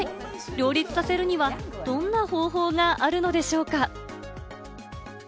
両立させるには、どんな方法があるのでしょうか？